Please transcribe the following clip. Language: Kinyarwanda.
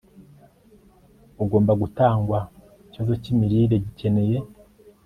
ugomba gutangwa Ikibazo cyimirire gikeneye